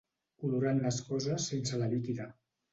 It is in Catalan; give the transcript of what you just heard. Olorant les coses sense la líquida.